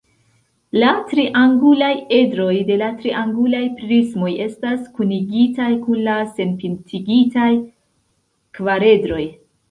La triangulaj edroj de la triangulaj prismoj estas kunigitaj kun la senpintigitaj kvaredroj.